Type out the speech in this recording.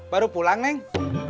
baru pulang neng